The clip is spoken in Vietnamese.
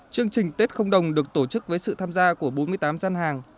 chương trình tết không đồng được tổ chức với sự tham gia của bốn mươi tám gian hàng